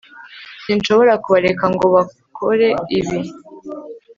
sinshobora kubareka ngo bankore ibi